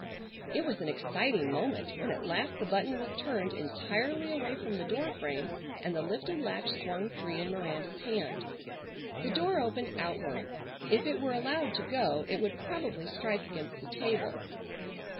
It was an exciting moment when at last the button was turned entirely away from the door frame and the lifted latch swung free in Miranda's hand. The door opened outward. If it were allowed to go it would probably strike against the table.